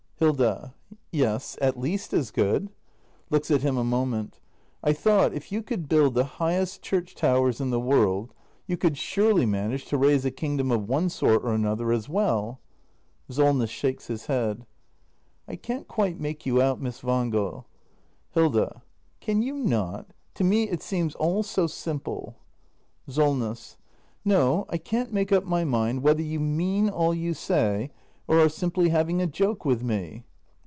Hilda. Yes, at least as good. [Looks at him a moment.] I thought, if you could build the highest church towers in the world, you could surely manage to raise a kingdom of one sort or another as well. Solness. [Shakes his head.] I can't quite make you out, Miss Wangel. Hilda. Can you not? To me it seems all so simple. Solness. No, I can't make up my mind whether you mean all you say, or are simply having a joke with me.